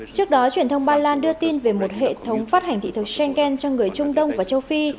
trước đó truyền thông ba lan đưa tin về một hệ thống phát hành thị thực schengen cho người trung đông và châu phi